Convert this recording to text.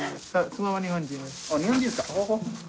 あ日本人ですか。